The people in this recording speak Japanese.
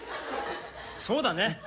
「そうだね」